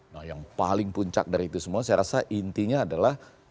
nah yang paling puncak dari itu semua saya rasa intinya adalah